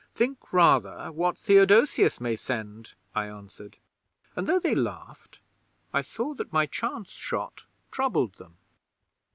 '"Think rather what Theodosius may send," I answered; and though they laughed, I saw that my chance shot troubled them.